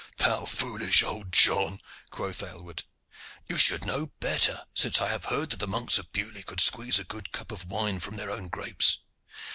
"Thou foolish old John!" quoth Aylward. "You should know better, since I have heard that the monks of Beaulieu could squeeze a good cup of wine from their own grapes.